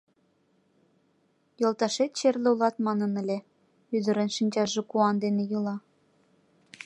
Йолташет черле улат манын ыле, — ӱдырын шинчаже куан дене йӱла.